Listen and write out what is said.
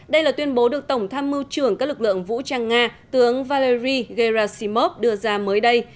đây là tuyên bố được tổng tham mưu trưởng các lực lượng vũ trang nga tướng valeri gerashimov đưa ra mới đây